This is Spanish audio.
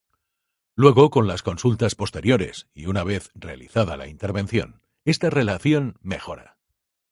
Luego, con las consultas posteriores y una vez realizada la intervención, esta relación mejora.